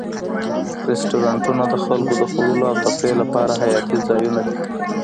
رستورانتونه د خلکو د خوړلو او تفریح لپاره حیاتي ځایونه دي.